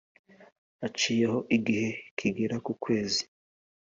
haciyeho igihe kigera ku kwezi,